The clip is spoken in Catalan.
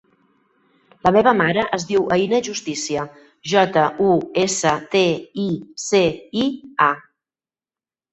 La meva mare es diu Aïna Justicia: jota, u, essa, te, i, ce, i, a.